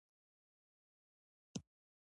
هغه مجرمین چې خوبونه یې نوي او وحشي دي